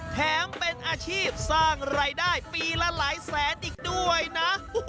แถมเป็นอาชีพสร้างรายได้ปีละหลายแสนอีกด้วยนะ